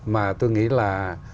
mà tôi nghĩ là